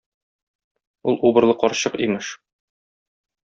Ул убырлы карчык, имеш.